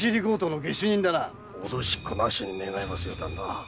脅しっこなしに願いますよ。